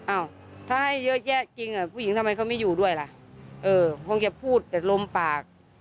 อ้าวถ้าให้เยอะแยะจริงอ่ะผู้หญิงทำไมเขาไม่อยู่ด้วยล่ะเออคงจะพูดแต่ลมปาก